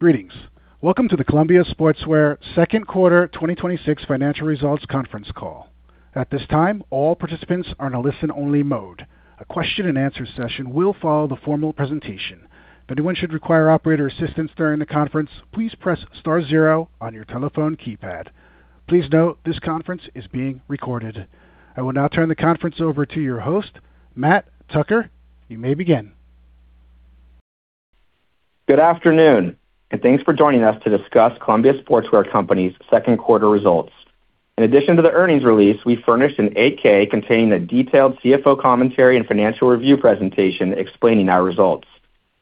Greetings. Welcome to the Columbia Sportswear Second Quarter 2026 Financial Results Conference Call. At this time, all participants are in a listen-only mode. A question-and-answer session will follow the formal presentation. If anyone should require operator assistance during the conference, please press star zero on your telephone keypad. Please note this conference is being recorded. I will now turn the conference over to your host, Matt Tucker. You may begin. Good afternoon. Thanks for joining us to discuss Columbia Sportswear Company's second quarter results. In addition to the earnings release, we furnished an 8-K containing a detailed CFO commentary and financial review presentation explaining our results.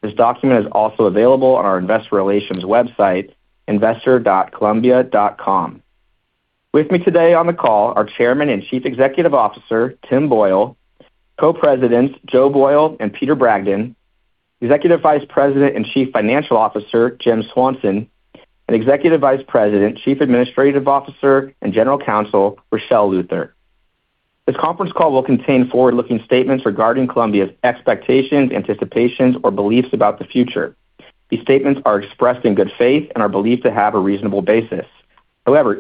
This document is also available on our investor relations website, investor.columbia.com. With me today on the call are Chairman and Chief Executive Officer, Tim Boyle, Co-Presidents Joe Boyle and Peter Bragdon, Executive Vice President and Chief Financial Officer, Jim Swanson, and Executive Vice President, Chief Administrative Officer and General Counsel, Richelle Luther. This conference call will contain forward-looking statements regarding Columbia's expectations, anticipations, or beliefs about the future. These statements are expressed in good faith and are believed to have a reasonable basis.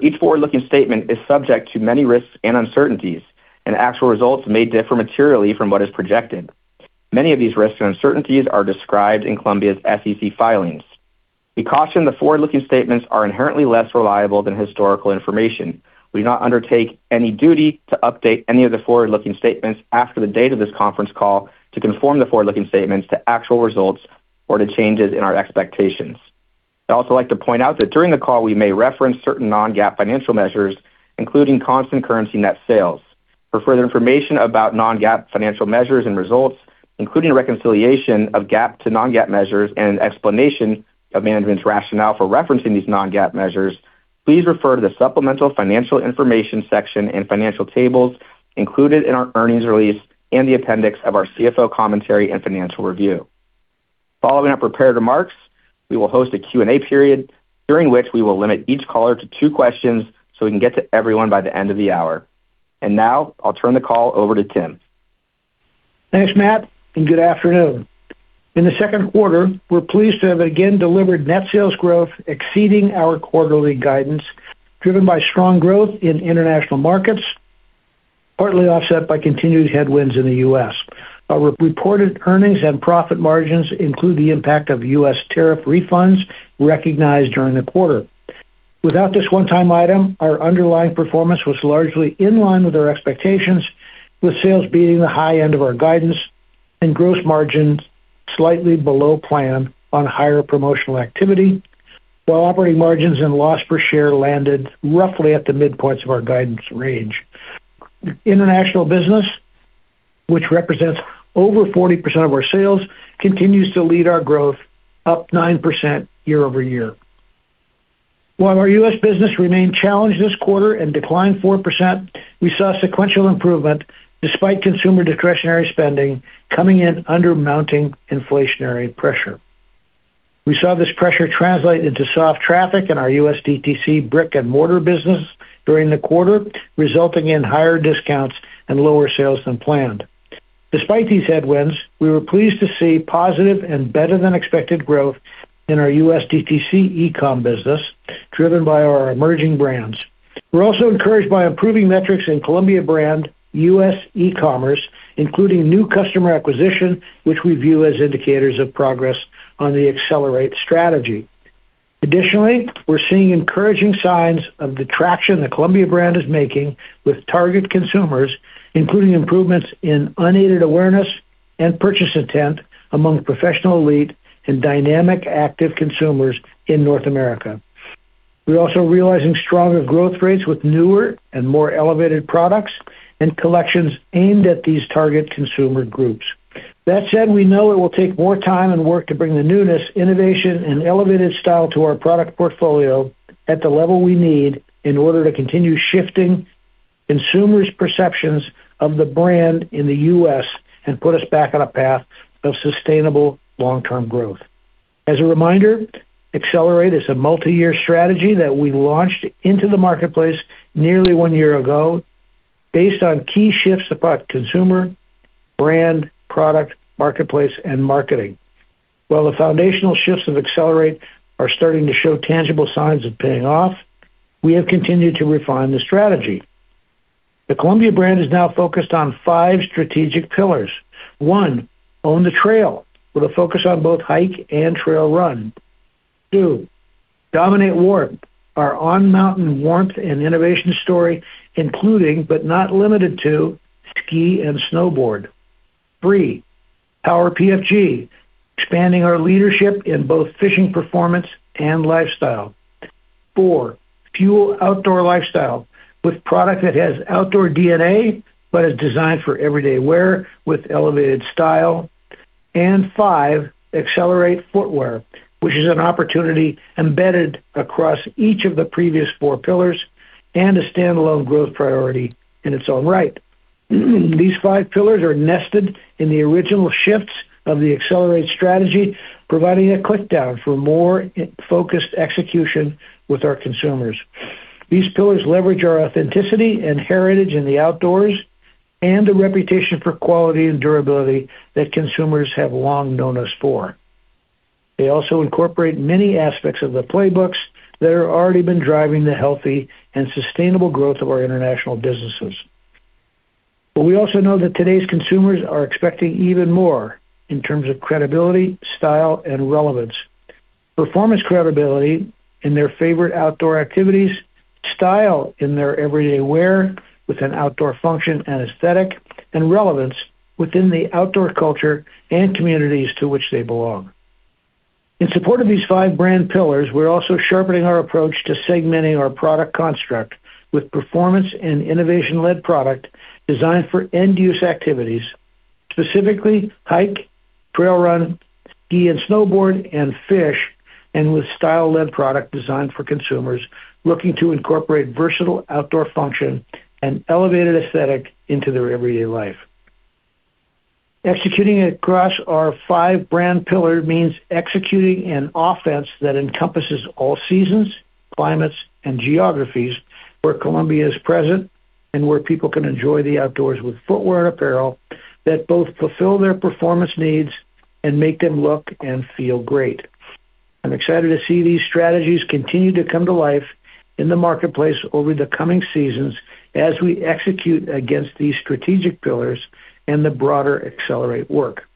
Each forward-looking statement is subject to many risks and uncertainties, and actual results may differ materially from what is projected. Many of these risks and uncertainties are described in Columbia's SEC filings. We caution that forward-looking statements are inherently less reliable than historical information. We do not undertake any duty to update any of the forward-looking statements after the date of this conference call to conform the forward-looking statements to actual results or to changes in our expectations. I'd also like to point out that during the call, we may reference certain non-GAAP financial measures, including constant currency net sales. For further information about non-GAAP financial measures and results, including reconciliation of GAAP to non-GAAP measures and an explanation of management's rationale for referencing these non-GAAP measures, please refer to the supplemental financial information section and financial tables included in our earnings release and the appendix of our CFO commentary and financial review. Following our prepared remarks, we will host a Q&A period, during which we will limit each caller to two questions so we can get to everyone by the end of the hour. Now I'll turn the call over to Tim. Thanks, Matt, and good afternoon. In the second quarter, we're pleased to have again delivered net sales growth exceeding our quarterly guidance, driven by strong growth in international markets, partly offset by continued headwinds in the U.S. Our reported earnings and profit margins include the impact of U.S. tariff refunds recognized during the quarter. Without this one-time item, our underlying performance was largely in line with our expectations, with sales beating the high end of our guidance and gross margins slightly below plan on higher promotional activity, while operating margins and loss per share landed roughly at the midpoints of our guidance range. International business, which represents over 40% of our sales, continues to lead our growth, up 9% year-over-year. While our U.S. business remained challenged this quarter and declined 4%, we saw sequential improvement despite consumer discretionary spending coming in under mounting inflationary pressure. We saw this pressure translate into soft traffic in our U.S. DTC brick-and-mortar business during the quarter, resulting in higher discounts and lower sales than planned. Despite these headwinds, we were pleased to see positive and better-than-expected growth in our U.S. DTC e-commerce business, driven by our emerging brands. We're also encouraged by improving metrics in Columbia brand U.S. e-commerce, including new customer acquisition, which we view as indicators of progress on the ACCELERATE strategy. Additionally, we're seeing encouraging signs of the traction the Columbia brand is making with target consumers, including improvements in unaided awareness and purchase intent among professional elite and dynamic active consumers in North America. We're also realizing stronger growth rates with newer and more elevated products and collections aimed at these target consumer groups. That said, we know it will take more time and work to bring the newness, innovation, and elevated style to our product portfolio at the level we need in order to continue shifting consumers' perceptions of the brand in the U.S. and put us back on a path of sustainable long-term growth. As a reminder, ACCELERATE is a multi-year strategy that we launched into the marketplace nearly one year ago based on key shifts about consumer, brand, product, marketplace, and marketing. While the foundational shifts of ACCELERATE are starting to show tangible signs of paying off, we have continued to refine the strategy. The Columbia brand is now focused on five strategic pillars. One, Own The Trail with a focus on both hike and trail run. Two, Dominate Warm. Our on-mountain warmth and innovation story, including but not limited to ski and snowboard. Three, Power PFG, expanding our leadership in both fishing performance and lifestyle. Four, Fuel Outdoor Lifestyle with product that has outdoor DNA but is designed for everyday wear with elevated style. Five, Accelerate Footwear, which is an opportunity embedded across each of the previous four pillars and a standalone growth priority in its own right. These five pillars are nested in the original shifts of the ACCELERATE strategy, providing a clickdown for more focused execution with our consumers. These pillars leverage our authenticity and heritage in the outdoors. The reputation for quality and durability that consumers have long known us for. They also incorporate many aspects of the playbooks that have already been driving the healthy and sustainable growth of our international businesses. We also know that today's consumers are expecting even more in terms of credibility, style, and relevance. Performance credibility in their favorite outdoor activities, style in their everyday wear with an outdoor function and aesthetic, and relevance within the outdoor culture and communities to which they belong. In support of these five brand pillars, we're also sharpening our approach to segmenting our product construct with performance and innovation-led product designed for end-use activities, specifically hike, trail run, ski and snowboard, and fish, and with style-led product designed for consumers looking to incorporate versatile outdoor function and elevated aesthetic into their everyday life. Executing across our five-brand pillar means executing an offense that encompasses all seasons, climates, and geographies where Columbia is present and where people can enjoy the outdoors with footwear and apparel that both fulfill their performance needs and make them look and feel great. I'm excited to see these strategies continue to come to life in the marketplace over the coming seasons as we execute against these strategic pillars and the broader ACCELERATE work.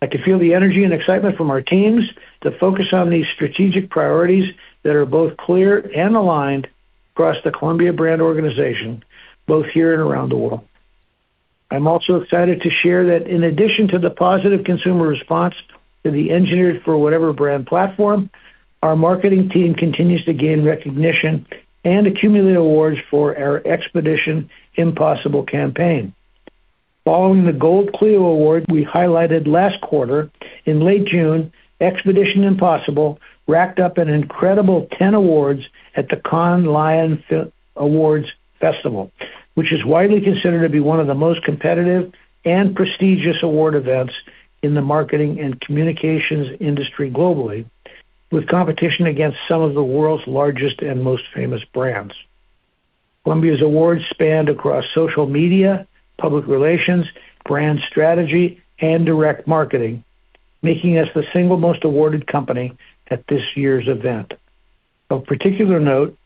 I can feel the energy and excitement from our teams to focus on these strategic priorities that are both clear and aligned across the Columbia Brand organization, both here and around the world. I'm also excited to share that in addition to the positive consumer response to the Engineered for Whatever brand platform, our marketing team continues to gain recognition and accumulate awards for our Expedition Impossible campaign. Following the Gold Clio award we highlighted last quarter, in late June, Expedition Impossible racked up an incredible 10 awards at the Cannes Lions Awards Festival, which is widely considered to be one of the most competitive and prestigious award events in the marketing and communications industry globally, with competition against some of the world's largest and most famous brands. Columbia's awards spanned across social media, public relations, brand strategy, and direct marketing, making us the single most awarded company at this year's event. Of particular note,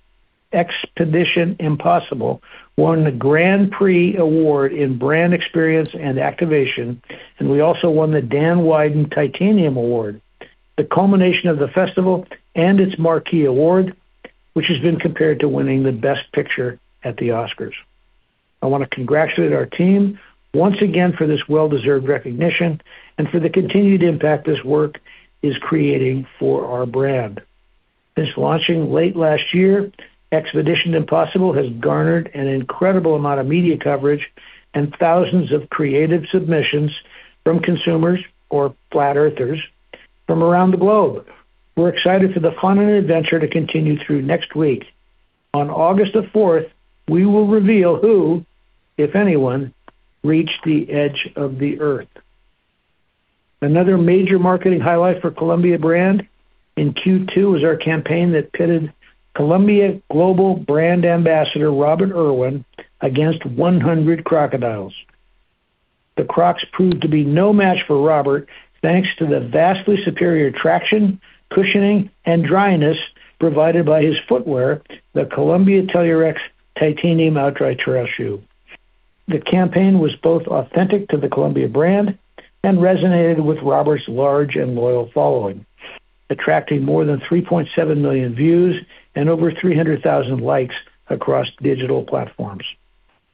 Expedition Impossible won the Grand Prix award in brand experience and activation, and we also won the Dan Wieden Titanium Award, the culmination of the festival and its marquee award, which has been compared to winning the Best Picture at the Oscars. I want to congratulate our team once again for this well-deserved recognition and for the continued impact this work is creating for our brand. Since launching late last year, Expedition Impossible has garnered an incredible amount of media coverage and thousands of creative submissions from consumers or flat Earthers from around the globe. We're excited for the fun and adventure to continue through next week. On August the fourth, we will reveal who, if anyone, reached the edge of the Earth. Another major marketing highlight for Columbia Brand in Q2 was our campaign that pitted Columbia global brand ambassador Robert Irwin against 100 crocodiles. The crocs proved to be no match for Robert, thanks to the vastly superior traction, cushioning, and dryness provided by his footwear, the Columbia Tellurix Titanium OutDry trail shoe. The campaign was both authentic to the Columbia brand and resonated with Robert's large and loyal following, attracting more than 3.7 million views and over 300,000 likes across digital platforms.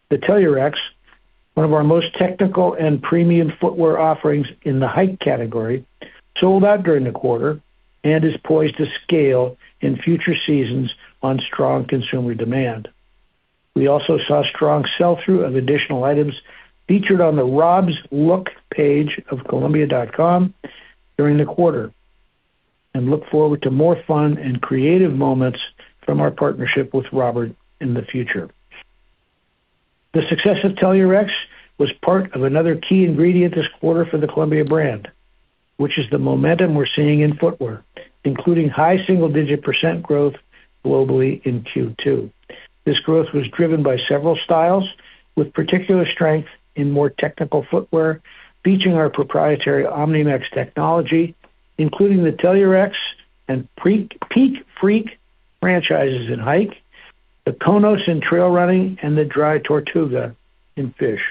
The Tellurix, one of our most technical and premium footwear offerings in the hike category, sold out during the quarter and is poised to scale in future seasons on strong consumer demand. We also saw strong sell-through of additional items featured on the Rob's Look page of columbia.com during the quarter and look forward to more fun and creative moments from our partnership with Robert in the future. The success of Tellurix was part of another key ingredient this quarter for the Columbia brand, which is the momentum we're seeing in footwear, including high single-digit percent growth globally in Q2. This growth was driven by several styles, with particular strength in more technical footwear, featuring our proprietary Omni-MAX technology, including the Tellurix and Peakfreak franchises in Hike, the Konos in Trail Running, and the Dry Tortuga in Fish.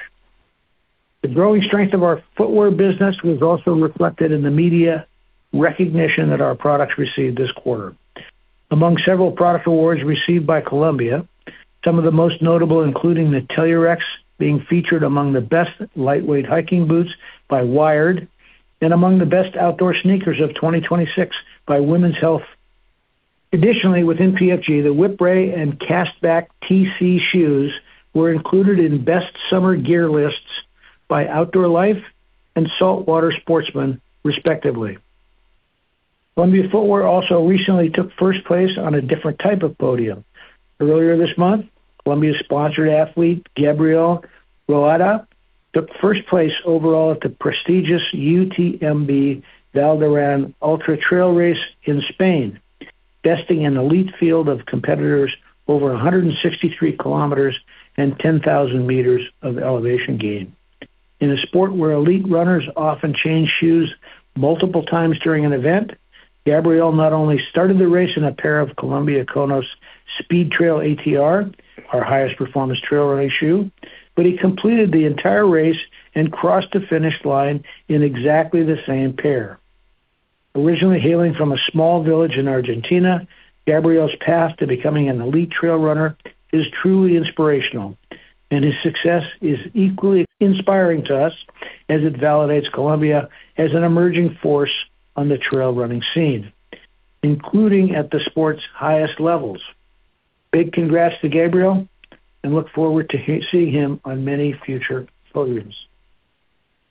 The growing strength of our footwear business was also reflected in the media recognition that our products received this quarter. Among several product awards received by Columbia, some of the most notable including the Tellurix being featured among the best lightweight hiking boots by Wired and among the best outdoor sneakers of 2026 by Women's Health. Additionally, within PFG, the Whipray and Cast Back TC shoes were included in best summer gear lists by Outdoor Life and Salt Water Sportsman, respectively. Columbia Footwear also recently took first place on a different type of podium. Earlier this month, Columbia-sponsored athlete Gabriel Rueda took first place overall at the prestigious Val d'Aran by UTMB ultra trail race in Spain, besting an elite field of competitors over 163 km and 10,000 m of elevation gain. In a sport where elite runners often change shoes multiple times during an event, Gabriel not only started the race in a pair of Columbia Konos Speed Trail ATR, our highest performance trail running shoe, but he completed the entire race and crossed the finish line in exactly the same pair. Originally hailing from a small village in Argentina, Gabriel's path to becoming an elite trail runner is truly inspirational, and his success is equally inspiring to us as it validates Columbia as an emerging force on the trail running scene, including at the sport's highest levels. Big congrats to Gabriel and look forward to seeing him on many future podiums.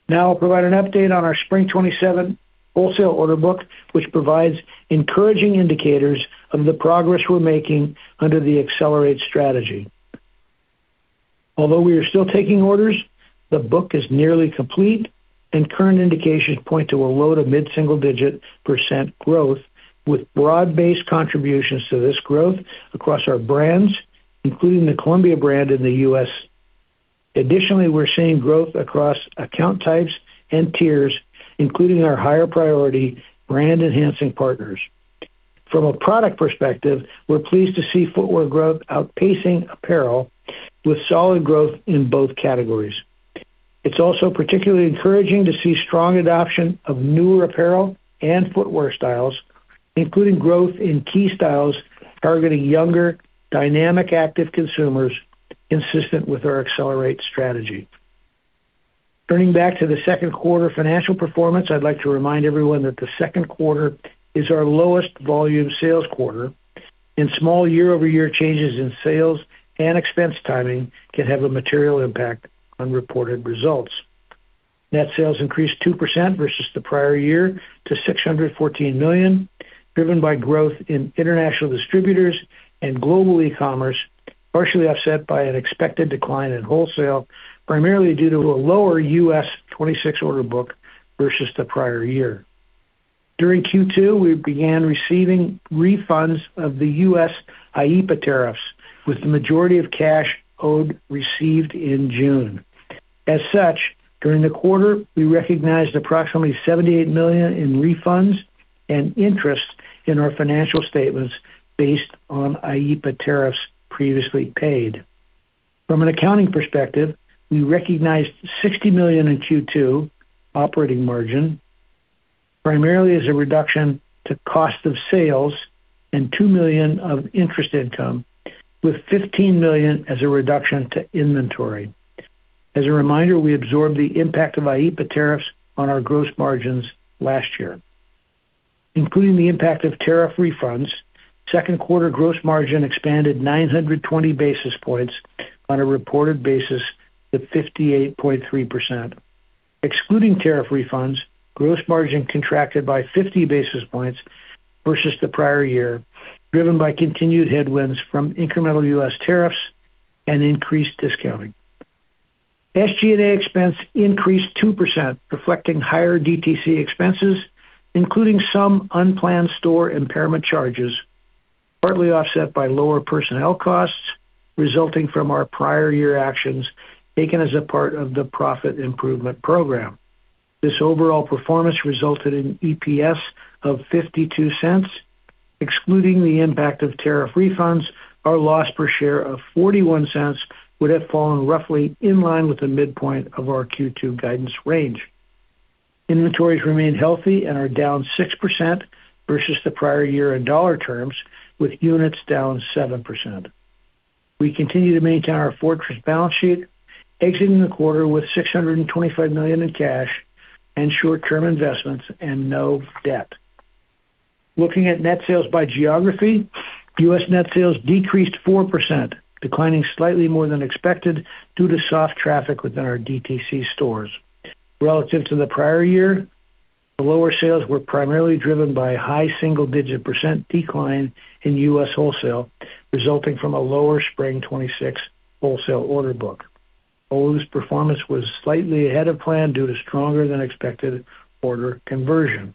I'll provide an update on our spring 2027 wholesale order book, which provides encouraging indicators of the progress we're making under the ACCELERATE strategy. Although we are still taking orders, the book is nearly complete and current indications point to a load of mid-single-digit percent growth with broad-based contributions to this growth across our brands, including the Columbia brand in the U.S. Additionally, we're seeing growth across account types and tiers, including our higher priority brand-enhancing partners. From a product perspective, we're pleased to see footwear growth outpacing apparel with solid growth in both categories. It's also particularly encouraging to see strong adoption of newer apparel and footwear styles, including growth in key styles targeting younger, dynamic, active consumers consistent with our ACCELERATE strategy. Turning back to the second quarter financial performance, I'd like to remind everyone that the second quarter is our lowest volume sales quarter and small year-over-year changes in sales and expense timing can have a material impact on reported results. Net sales increased 2% versus the prior year to $614 million, driven by growth in international distributors and global e-commerce, partially offset by an expected decline in wholesale, primarily due to a lower U.S. 2026 order book versus the prior year. During Q2, we began receiving refunds of the U.S. IEEPA tariffs with the majority of cash owed received in June. As such, during the quarter, we recognized approximately $78 million in refunds and interest in our financial statements based on IEEPA tariffs previously paid. From an accounting perspective, we recognized $60 million in Q2 operating margin, primarily as a reduction to cost of sales and $2 million of interest income, with $15 million as a reduction to inventory. As a reminder, we absorbed the impact of IEEPA tariffs on our gross margins last year. Including the impact of tariff refunds, second quarter gross margin expanded 920 basis points on a reported basis to 58.3%. Excluding tariff refunds, gross margin contracted by 50 basis points versus the prior year, driven by continued headwinds from incremental U.S. tariffs and increased discounting. SG&A expense increased 2%, reflecting higher DTC expenses, including some unplanned store impairment charges, partly offset by lower personnel costs resulting from our prior year actions taken as a part of the profit improvement program. This overall performance resulted in EPS of $0.52. Excluding the impact of tariff refunds, our loss per share of $0.41 would have fallen roughly in line with the midpoint of our Q2 guidance range. Inventories remain healthy and are down 6% versus the prior year in dollar terms, with units down 7%. We continue to maintain our fortress balance sheet, exiting the quarter with $625 million in cash and short-term investments and no debt. Looking at net sales by geography, U.S. net sales decreased 4%, declining slightly more than expected due to soft traffic within our DTC stores. Relative to the prior year, the lower sales were primarily driven by a high single-digit percent decline in U.S. wholesale, resulting from a lower spring 2026 wholesale order book. All this performance was slightly ahead of plan due to stronger than expected order conversion.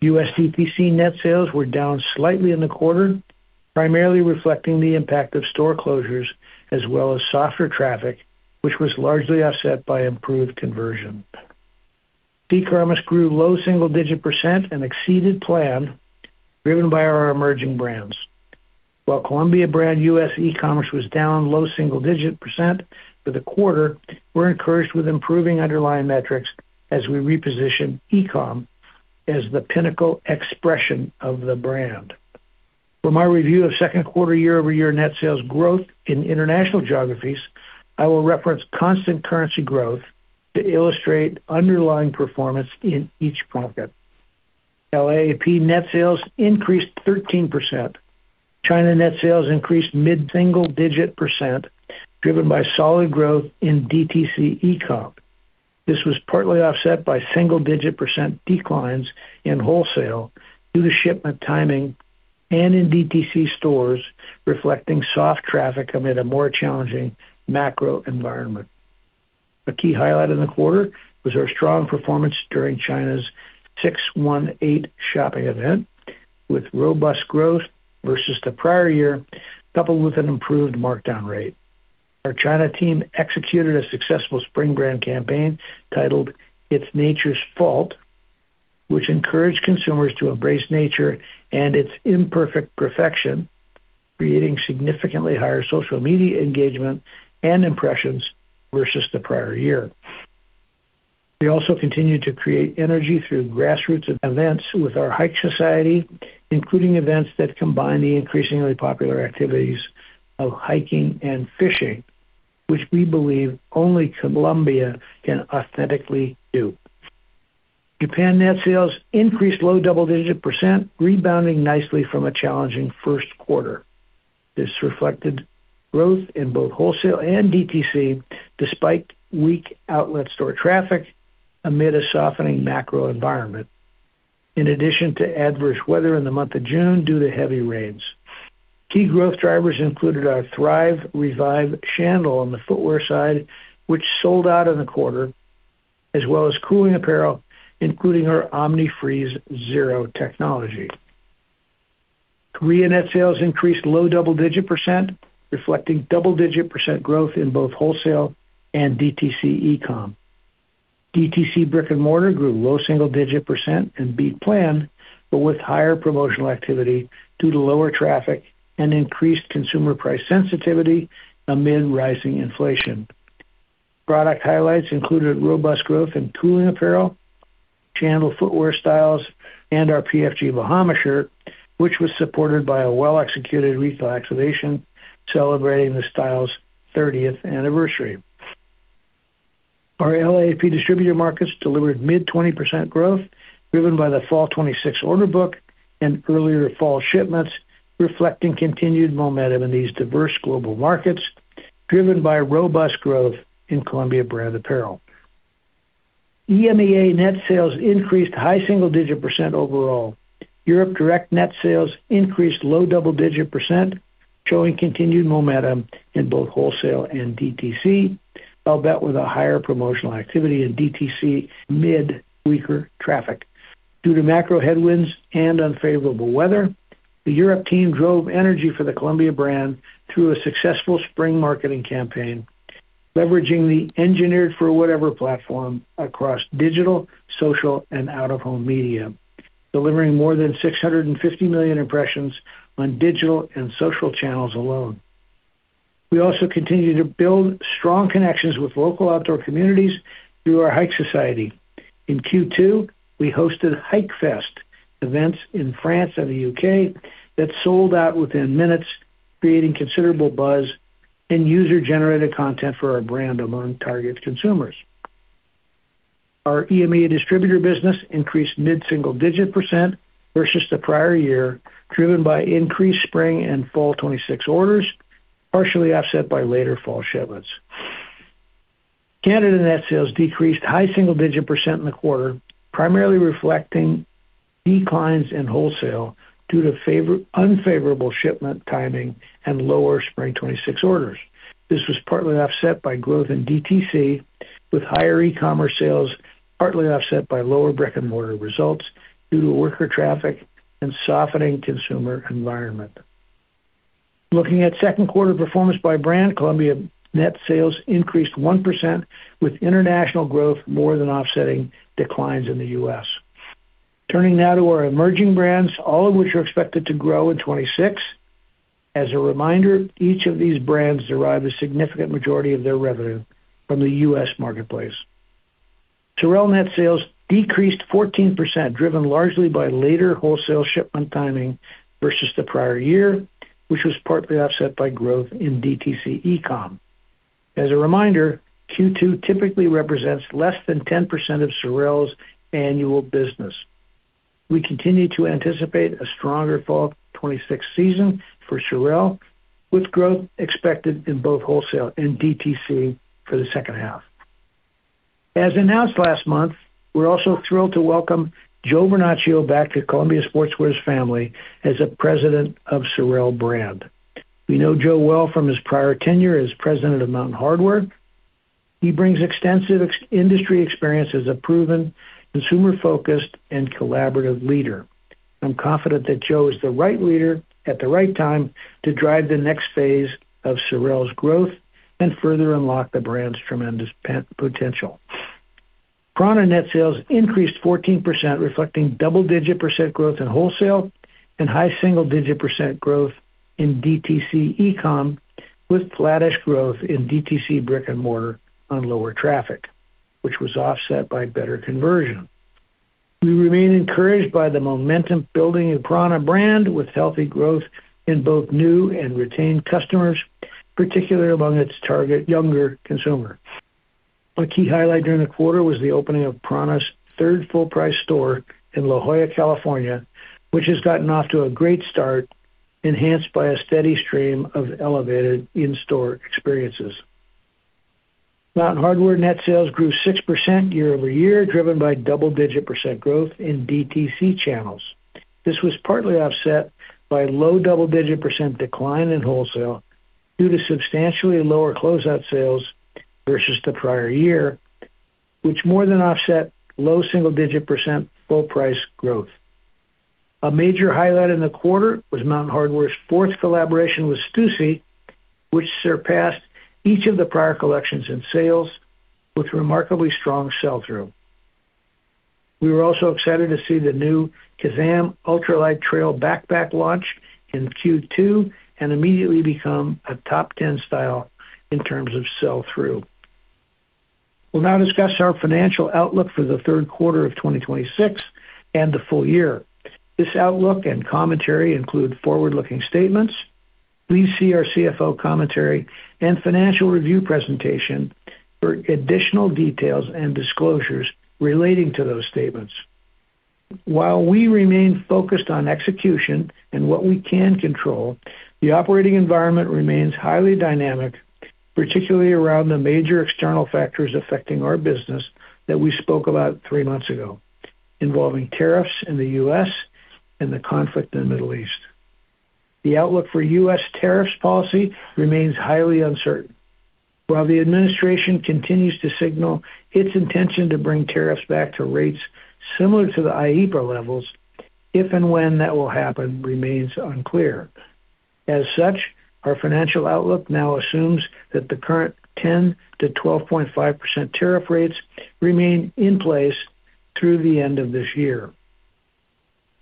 U.S. DTC net sales were down slightly in the quarter, primarily reflecting the impact of store closures as well as softer traffic, which was largely offset by improved conversion. E-commerce grew low single-digit percent and exceeded plan driven by our emerging brands. While Columbia brand U.S. e-commerce was down low single-digit percent for the quarter, we're encouraged with improving underlying metrics as we reposition e-com as the pinnacle expression of the brand. For my review of second quarter year-over-year net sales growth in international geographies, I will reference constant currency growth to illustrate underlying performance in each market. LAAP net sales increased 13%. China net sales increased mid-single-digit percent driven by solid growth in DTC e-com. This was partly offset by single-digit percent declines in wholesale due to shipment timing and in DTC stores, reflecting soft traffic amid a more challenging macro environment. A key highlight in the quarter was our strong performance during China's 618 Shopping Festival, with robust growth versus the prior year, coupled with an improved markdown rate. Our China team executed a successful spring brand campaign titled "It's Nature's Fault," which encouraged consumers to embrace nature and its imperfect perfection, creating significantly higher social media engagement and impressions versus the prior year. We also continued to create energy through grassroots events with our Hike Society, including events that combine the increasingly popular activities of hiking and fishing, which we believe only Columbia can authentically do. Japan net sales increased low double-digit percent, rebounding nicely from a challenging first quarter. This reflected growth in both wholesale and DTC, despite weak outlet store traffic amid a softening macro environment. In addition to adverse weather in the month of June due to heavy rains. Key growth drivers included our Thrive Revive Sandal on the footwear side, which sold out in the quarter, as well as cooling apparel, including our Omni-Freeze ZERO technology. Korea net sales increased low double-digit percent, reflecting double-digit percent growth in both wholesale and DTC e-com. DTC brick-and-mortar grew low single-digit percent and beat plan, but with higher promotional activity due to lower traffic and increased consumer price sensitivity amid rising inflation. Product highlights included robust growth in cooling apparel, Sandal footwear styles, and our PFG Bahama shirt, which was supported by a well-executed retail activation celebrating the style's 30th anniversary. Our LAAP distributor markets delivered mid-20% growth, driven by the fall 2026 order book and earlier fall shipments, reflecting continued momentum in these diverse global markets, driven by robust growth in Columbia brand apparel. EMEA net sales increased high single-digit percent overall. Europe direct net sales increased low double-digit percent, showing continued momentum in both wholesale and DTC, albeit with a higher promotional activity in DTC amid weaker traffic. Due to macro headwinds and unfavorable weather, the Europe team drove energy for the Columbia brand through a successful spring marketing campaign, leveraging the Engineered for Whatever platform across digital, social, and out-of-home media, delivering more than 650 million impressions on digital and social channels alone. We also continue to build strong connections with local outdoor communities through our Hike Society. In Q2, we hosted Hike Fest events in France and the U.K. that sold out within minutes, creating considerable buzz and user-generated content for our brand among target consumers. Our EMEA distributor business increased mid-single digit percent versus the prior year, driven by increased spring and fall 2026 orders, partially offset by later fall shipments. Canada net sales decreased high single-digit percent in the quarter, primarily reflecting declines in wholesale due to unfavorable shipment timing and lower spring 2026 orders. This was partly offset by growth in DTC, with higher e-commerce sales partly offset by lower brick-and-mortar results due to worker traffic and softening consumer environment. Looking at second quarter performance by brand, Columbia net sales increased 1% with international growth more than offsetting declines in the U.S. Turning now to our emerging brands, all of which are expected to grow in 2026. As a reminder, each of these brands derive a significant majority of their revenue from the U.S. marketplace. SOREL net sales decreased 14%, driven largely by later wholesale shipment timing versus the prior year, which was partly offset by growth in DTC e-com. As a reminder, Q2 typically represents less than 10% of SOREL's annual business. We continue to anticipate a stronger fall 2026 season for SOREL, with growth expected in both wholesale and DTC for the second half. As announced last month, we're also thrilled to welcome Joe Vernachio back to Columbia Sportswear Company's family as a President of SOREL brand. We know Joe well from his prior tenure as President of Mountain Hardwear. He brings extensive industry experience as a proven consumer-focused and collaborative leader. I'm confident that Joe is the right leader at the right time to drive the next phase of SOREL's growth and further unlock the brand's tremendous potential. prAna net sales increased 14%, reflecting double-digit percent growth in wholesale and high single-digit percent growth in DTC e-commerce, with flattish growth in DTC brick-and-mortar on lower traffic, which was offset by better conversion. We remain encouraged by the momentum building in prAna brand with healthy growth in both new and retained customers, particularly among its target younger consumer. A key highlight during the quarter was the opening of prAna's third full-price store in La Jolla, California, which has gotten off to a great start enhanced by a steady stream of elevated in-store experiences. Mountain Hardwear net sales grew 6% year-over-year, driven by double-digit percent growth in DTC channels. This was partly offset by low double-digit percent decline in wholesale due to substantially lower closeout sales versus the prior year, which more than offset low single-digit percent full price growth. A major highlight in the quarter was Mountain Hardwear's fourth collaboration with Stüssy, which surpassed each of the prior collections in sales with remarkably strong sell-through. We were also excited to see the new Kazam ultralight trail backpack launch in Q2 and immediately become a top 10 style in terms of sell-through. We'll now discuss our financial outlook for the third quarter of 2026 and the full year. This outlook and commentary include forward-looking statements. Please see our CFO commentary and financial review presentation for additional details and disclosures relating to those statements. While we remain focused on execution and what we can control, the operating environment remains highly dynamic, particularly around the major external factors affecting our business that we spoke about three months ago, involving tariffs in the U.S. and the conflict in the Middle East. The outlook for U.S. tariffs policy remains highly uncertain. While the administration continues to signal its intention to bring tariffs back to rates similar to the IEEPA levels, if and when that will happen remains unclear. As such, our financial outlook now assumes that the current 10%-12.5% tariff rates remain in place through the end of this year.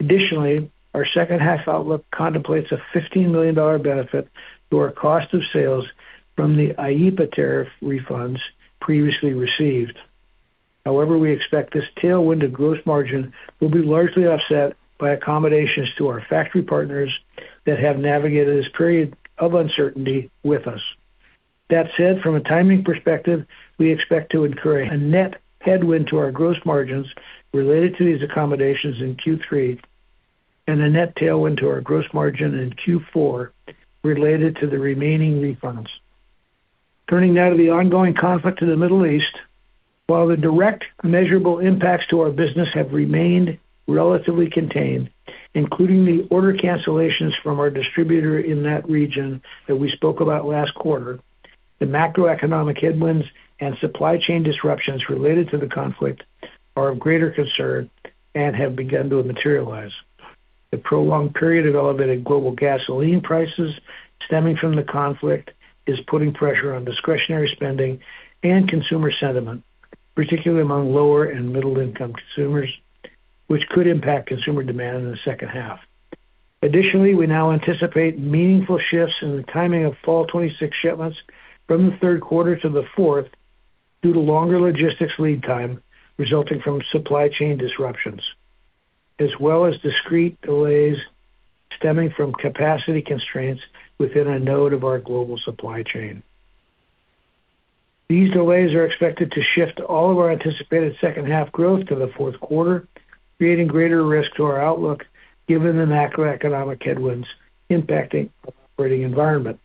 Additionally, our second half outlook contemplates a $15 million benefit to our cost of sales from the IEEPA tariff refunds previously received. However, we expect this tailwind of gross margin will be largely offset by accommodations to our factory partners that have navigated this period of uncertainty with us. That said, from a timing perspective, we expect to incur a net headwind to our gross margins related to these accommodations in Q3 and a net tailwind to our gross margin in Q4 related to the remaining refunds. Turning now to the ongoing conflict in the Middle East. While the direct measurable impacts to our business have remained relatively contained, including the order cancellations from our distributor in that region that we spoke about last quarter, the macroeconomic headwinds and supply chain disruptions related to the conflict are of greater concern and have begun to materialize. The prolonged period of elevated global gasoline prices stemming from the conflict is putting pressure on discretionary spending and consumer sentiment, particularly among lower and middle-income consumers, which could impact consumer demand in the second half. Additionally, we now anticipate meaningful shifts in the timing of fall 2026 shipments from the third quarter to the fourth due to longer logistics lead time resulting from supply chain disruptions, as well as discrete delays stemming from capacity constraints within a node of our global supply chain. These delays are expected to shift all of our anticipated second half growth to the fourth quarter, creating greater risk to our outlook given the macroeconomic headwinds impacting operating environment.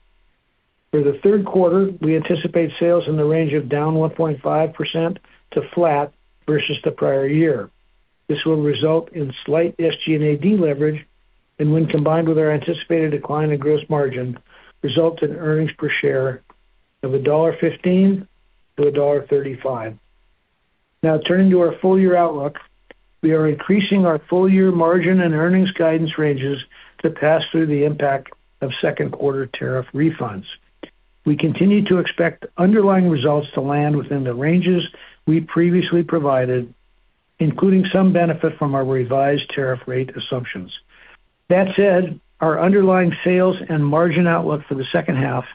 For the third quarter, we anticipate sales in the range of down 1.5% to flat versus the prior year. This will result in slight SG&A deleverage and, when combined with our anticipated decline in gross margin, result in earnings per share of $1.15-$1.35. Turning to our full-year outlook. We are increasing our full-year margin and earnings guidance ranges to pass through the impact of second quarter tariff refunds. We continue to expect underlying results to land within the ranges we previously provided, including some benefit from our revised tariff rate assumptions. That said, our underlying sales and margin outlook for the second half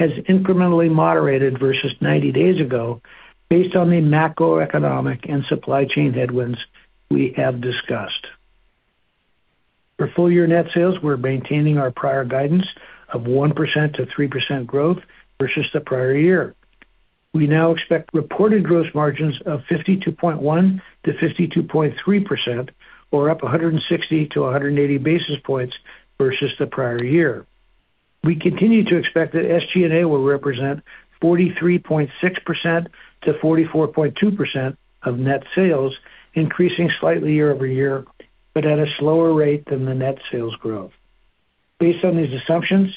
has incrementally moderated versus 90 days ago based on the macroeconomic and supply chain headwinds we have discussed. For full-year net sales, we're maintaining our prior guidance of 1%-3% growth versus the prior year. We now expect reported gross margins of 52.1%-52.3%, or up 160 basis points-180 basis points versus the prior year. We continue to expect that SG&A will represent 43.6%-44.2% of net sales, increasing slightly year-over-year, but at a slower rate than the net sales growth. Based on these assumptions,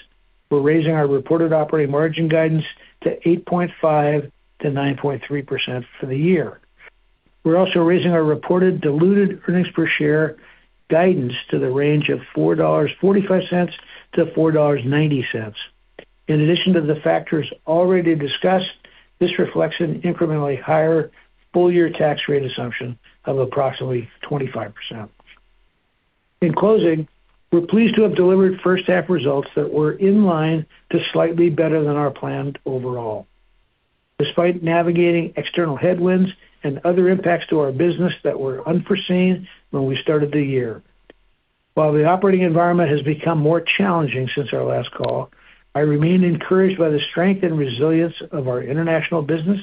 we're raising our reported operating margin guidance to 8.5%-9.3% for the year. We're also raising our reported diluted earnings per share guidance to the range of $4.45-$4.90. In addition to the factors already discussed, this reflects an incrementally higher full-year tax rate assumption of approximately 25%. In closing, we're pleased to have delivered first half results that were in line to slightly better than our planned overall, despite navigating external headwinds and other impacts to our business that were unforeseen when we started the year. While the operating environment has become more challenging since our last call, I remain encouraged by the strength and resilience of our international business.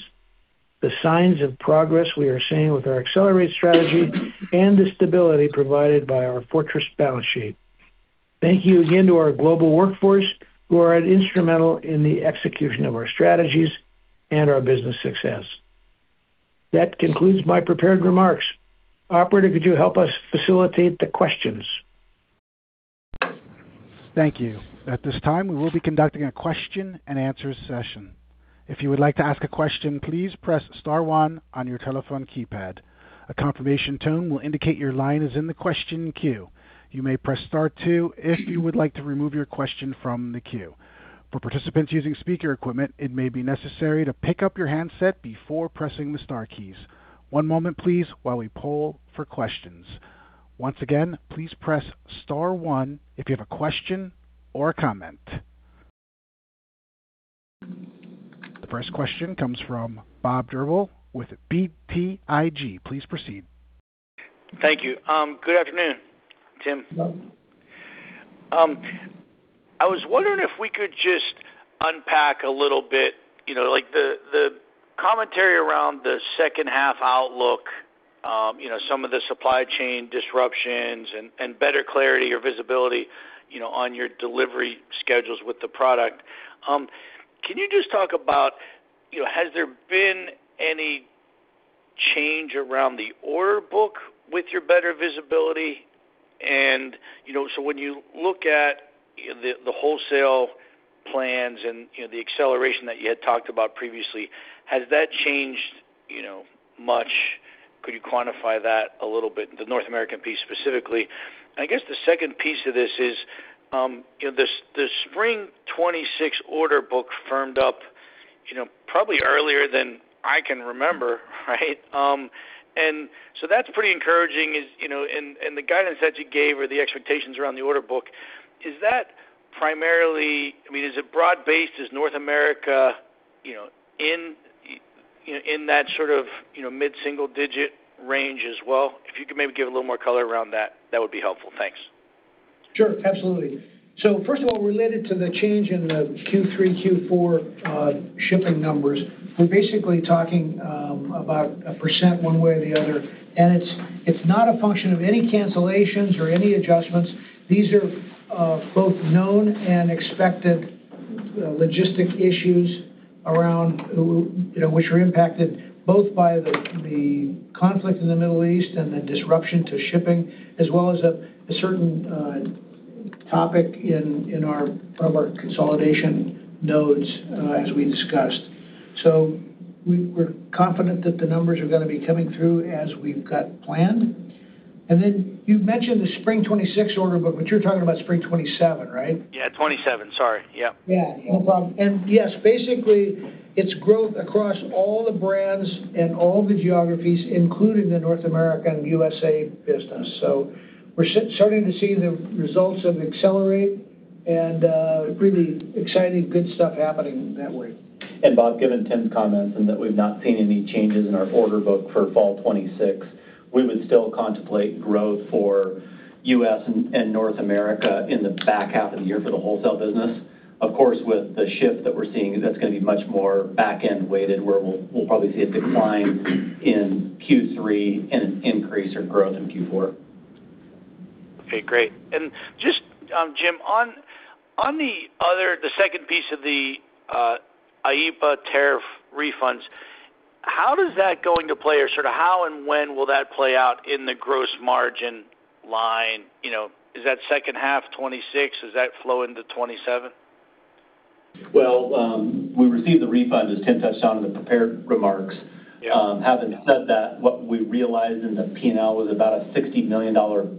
The signs of progress we are seeing with our ACCELERATE strategy and the stability provided by our fortress balance sheet. Thank you again to our global workforce, who are instrumental in the execution of our strategies and our business success. That concludes my prepared remarks. Operator, could you help us facilitate the questions? Thank you. At this time, we will be conducting a question-and-answer session. If you would like to ask a question, please press star one on your telephone keypad. A confirmation tone will indicate your line is in the question queue. You may press star two if you would like to remove your question from the queue. For participants using speaker equipment, it may be necessary to pick up your handset before pressing the star keys. One moment please while we poll for questions. Once again, please press star one if you have a question or a comment. The first question comes from Bob Drbul with BTIG. Please proceed. Thank you. Good afternoon, Tim. Hello. I was wondering if we could just unpack a little bit, the commentary around the second half outlook, some of the supply chain disruptions and better clarity or visibility on your delivery schedules with the product. Can you just talk about, has there been any change around the order book with your better visibility? When you look at the wholesale plans and the acceleration that you had talked about previously, has that changed much? Could you quantify that a little bit, the North American piece specifically? I guess the second piece of this is, the spring 2026 order book firmed up, probably earlier than I can remember, right? That's pretty encouraging. The guidance that you gave or the expectations around the order book, is that primarily is it broad-based? Is North America in that sort of mid-single-digit range as well? If you could maybe give a little more color around that would be helpful. Thanks. Sure. Absolutely. First of all, related to the change in the Q3, Q4 shipping numbers, we're basically talking about a percent one way or the other. It's not a function of any cancellations or any adjustments. These are both known and expected logistic issues which are impacted both by the conflict in the Middle East and the disruption to shipping, as well as a certain topic from our consolidation nodes, as we discussed. We're confident that the numbers are going to be coming through as we've got planned. Then you've mentioned the spring 2026 order book, but you're talking about spring 2027, right? Yeah, 2027. Sorry. Yep. Yeah. No problem. Yes, basically it's growth across all the brands and all the geographies, including the North America and U.S.A. business. We're starting to see the results of ACCELERATE and really exciting, good stuff happening in that way. Bob, given Tim's comments and that we've not seen any changes in our order book for fall 2026, we would still contemplate growth for U.S. and North America in the back half of the year for the wholesale business. Of course, with the shift that we're seeing, that's going to be much more back-end weighted, where we'll probably see a decline in Q3 and an increase or growth in Q4. Okay, great. Just, Jim, on the second piece of the IEEPA tariff refunds, how does that go into play? How and when will that play out in the gross margin line? Is that second half 2026? Does that flow into 2027? Well, we received the refund, as Tim touched on in the prepared remarks. Yeah. Having said that, what we realized in the P&L was about a $60 million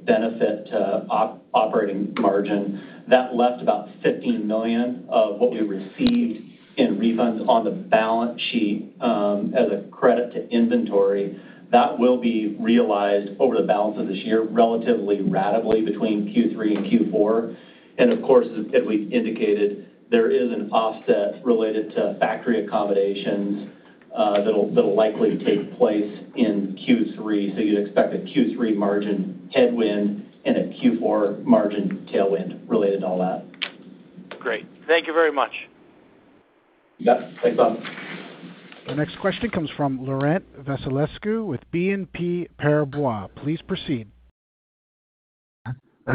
benefit to operating margin. That left about $15 million of what we received in refunds on the balance sheet, as a credit to inventory. That will be realized over the balance of this year, relatively ratably between Q3 and Q4. Of course, as we've indicated, there is an offset related to factory accommodations that'll likely take place in Q3. You'd expect a Q3 margin headwind and a Q4 margin tailwind related to all that. Great. Thank you very much. Yeah. Thanks, Bob. Our next question comes from Laurent Vasilescu with BNP Paribas. Please proceed.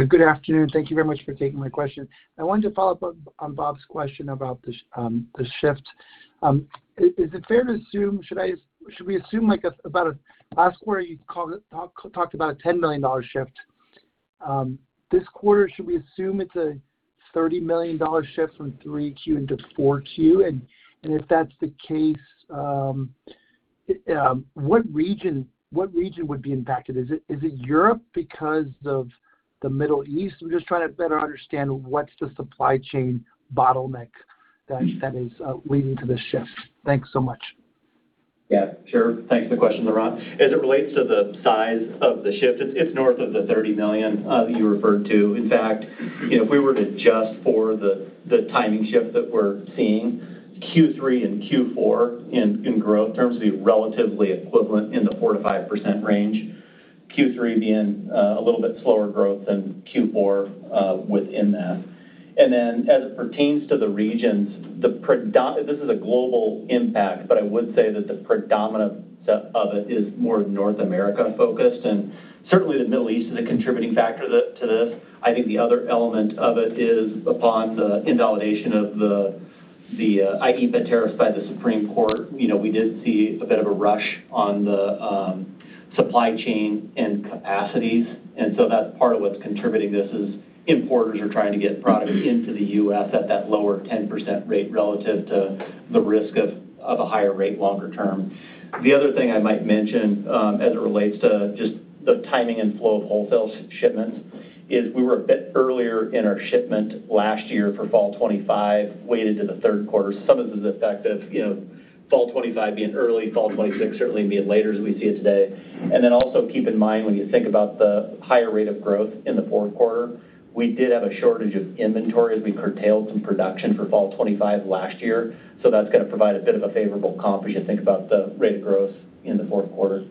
Good afternoon. Thank you very much for taking my question. I wanted to follow up on Bob's question about the shift. Is it fair to assume, should we assume last quarter, you talked about a $10 million shift. This quarter, should we assume it's a $30 million shift from 3Q into 4Q? If that's the case, what region would be impacted? Is it Europe because of the Middle East? I'm just trying to better understand what's the supply chain bottleneck that is leading to this shift. Thanks so much. Yeah, sure. Thanks for the question, Laurent. As it relates to the size of the shift, it's north of the $30 million that you referred to. In fact, if we were to adjust for the timing shift that we're seeing, Q3 and Q4 in growth terms would be relatively equivalent in the 4%-5% range. Q3 being a little bit slower growth than Q4 within that. As it pertains to the regions, this is a global impact, but I would say that the predominant set of it is more North America focused, and certainly the Middle East is a contributing factor to this. I think the other element of it is upon the invalidation of the IEEPA tariffs by the Supreme Court. We did see a bit of a rush on the supply chain and capacities. That's part of what's contributing this is importers are trying to get product into the U.S. at that lower 10% rate relative to the risk of a higher rate longer term. The other thing I might mention, as it relates to just the timing and flow of wholesale shipments, is we were a bit earlier in our shipment last year for fall 2025, weighted to the third quarter. Some of this is effective, fall 2025 being early, fall 2026 certainly being later as we see it today. Also keep in mind, when you think about the higher rate of growth in the fourth quarter, we did have a shortage of inventory as we curtailed some production for fall 2025 last year. That's going to provide a bit of a favorable comp as you think about the rate of growth in the fourth quarter.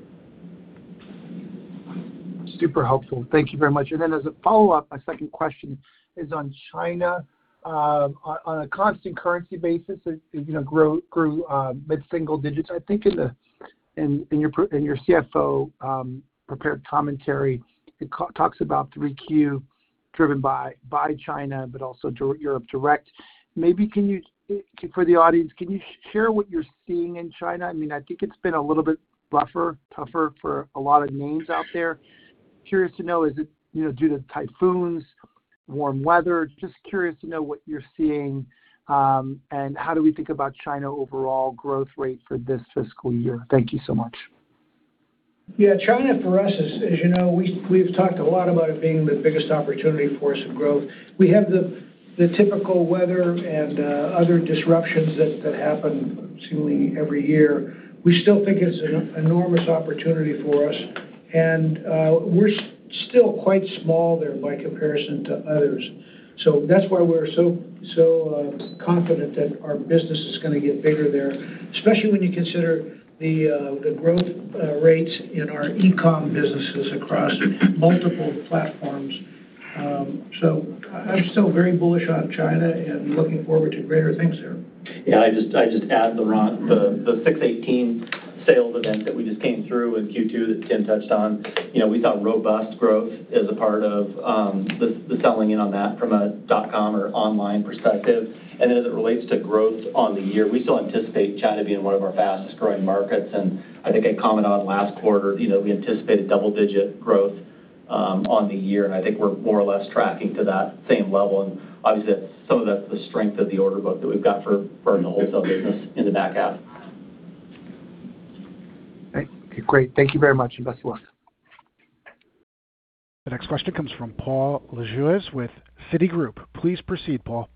Super helpful. Thank you very much. As a follow-up, my second question is on China. On a constant currency basis, it grew mid-single digits. I think in your CFO prepared commentary, it talks about 3Q driven by China, but also Europe direct. Maybe for the audience, can you share what you're seeing in China? I think it's been a little bit rougher, tougher for a lot of names out there. Curious to know, is it due to typhoons, warm weather? Just curious to know what you're seeing, and how do we think about China overall growth rate for this fiscal year? Thank you so much. China for us, as you know, we've talked a lot about it being the biggest opportunity for us in growth. We have the typical weather and other disruptions that happen seemingly every year. We still think it's an enormous opportunity for us. We're still quite small there by comparison to others. That's why we're so confident that our business is going to get bigger there, especially when you consider the growth rates in our e-commerce businesses across multiple platforms. I'm still very bullish on China and looking forward to greater things there. I'd just add, Laurent, the 618 sales event that we just came through in Q2 that Tim touched on. We saw robust growth as a part of the selling in on that from a dotcom or online perspective. As it relates to growth on the year, we still anticipate China being one of our fastest-growing markets. I think I commented on it last quarter, we anticipated double-digit growth on the year, and I think we're more or less tracking to that same level. Obviously, that's some of the strength of the order book that we've got for the wholesale business in the back half. Great. Thank you very much, best of luck. The next question comes from Paul Lejuez with Citigroup. Please proceed, Paul.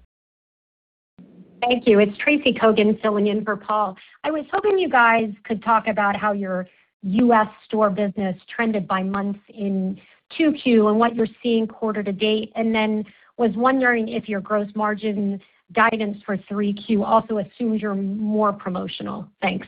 Thank you. It's Tracy Kogan filling in for Paul. I was hoping you guys could talk about how your U.S. store business trended by months in 2Q and what you're seeing quarter to date. Was wondering if your gross margin guidance for 3Q also assumes you're more promotional. Thanks.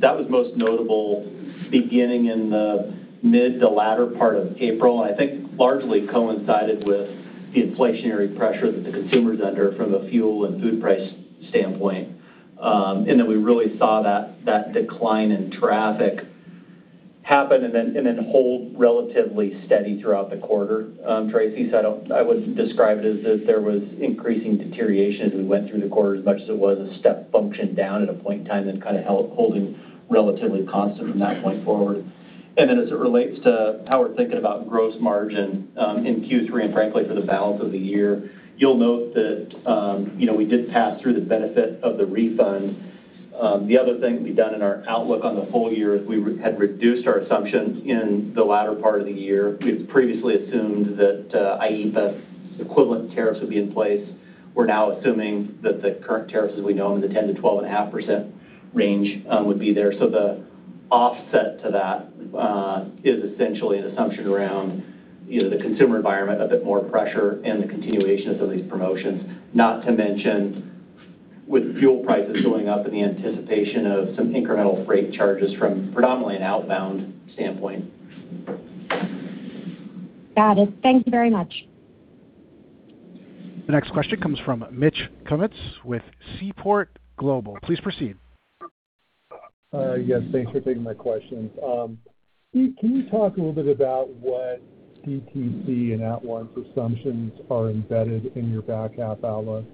That was most notable beginning in the mid to latter part of April, and I think largely coincided with the inflationary pressure that the consumer's under from the fuel and food price standpoint. We really saw that decline in traffic happen and then hold relatively steady throughout the quarter, Tracy. I wouldn't describe it as if there was increasing deterioration as we went through the quarter as much as it was a step function down at a point in time and then kind of holding relatively constant from that point forward. As it relates to how we're thinking about gross margin in Q3, and frankly for the balance of the year, you'll note that we did pass through the benefit of the refund. The other thing that we've done in our outlook on the full year is we had reduced our assumptions in the latter part of the year. We've previously assumed that IEEPA's equivalent tariffs would be in place. We're now assuming that the current tariffs, as we know them, in the 10%-12.5% range, would be there. The offset to that is essentially an assumption around the consumer environment, a bit more pressure, and the continuation of some of these promotions. Not to mention with fuel prices going up and the anticipation of some incremental freight charges from predominantly an outbound standpoint. Got it. Thank you very much. The next question comes from Mitch Kummetz with Seaport Global. Please proceed. Yes, thanks for taking my questions. Can you talk a little bit about what DTC and at-once assumptions are embedded in your back-half outlook?